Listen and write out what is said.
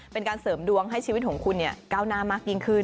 เป็นการเสริมดวงให้ชีวิตของคุณก้าวหน้ามากยิ่งขึ้น